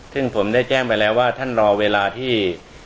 ซึ่งผมได้แจ้งไปแล้วว่าท่านรอเวลาที่